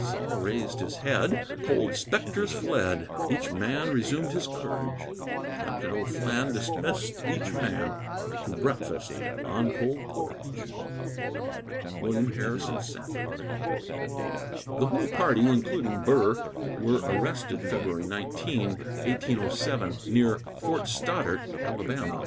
Sol raised his head, cold spectres fled; Each man resumed his courage; Captain O'Flan dismissed each man To breakfast on cold porridge. WILLIAM HARRISON SAFFORD. The whole party, including Burr, were arrested February 19, 1807 near Fort Stoddart, Ala.